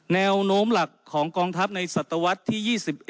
แนวโน้มหลักของกองทัพในศตวรรษที่๒๑